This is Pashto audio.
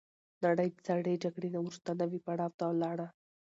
نړۍ د سړې جګړې نه وروسته نوي پړاو ته لاړه.